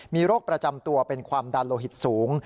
มีโรคประจำตัวเป็นความดันโลหิตสูง